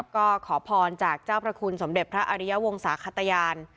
ก็ขอพรจากเจ้าพระคุณสมเด็จพระอริยวงศาขตยาน